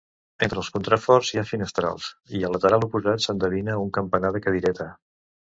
Entre els contraforts hi ha finestrals i al lateral oposat s'endevina un campanar de cadireta.